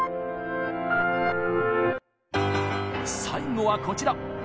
最後はこちら！